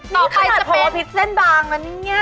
นี่ขนาดพ่อพิษเส้นบางแล้วเนี่ย